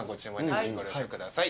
ご了承ください。